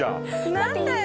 何だよ。